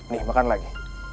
nih makan lagi